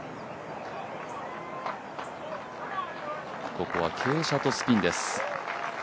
ここは傾斜とスピンです。